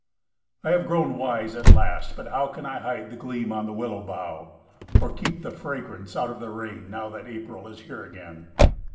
I have grown wise at last but how Can I hide the gleam on the willow bough, Or keep the fragrance out of the rain Now that April is here again?